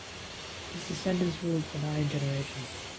His descendants ruled for nine generations.